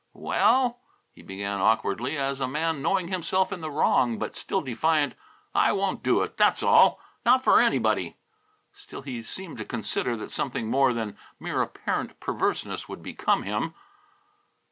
"Well," he began, awkwardly, as a man knowing himself in the wrong but still defiant, "I won't do it. That's all! Not for anybody." Still, he seemed to consider that something more than mere apparent perverseness would become him.